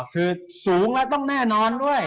คือสูงแล้วต้องแน่นอนด้วย